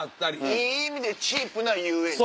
いい意味でチープな遊園地。